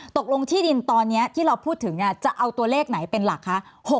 ตกลงที่ดินตอนนี้ที่เราพูดถึงจะเอาตัวเลขไหนเป็นหลักคะ